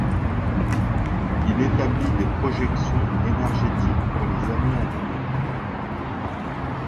Il établit des projections énergétiques pour les années à venir.